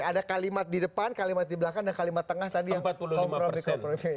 ada kalimat di depan kalimat di belakang dan kalimat tengah tadi yang kompromi kompromi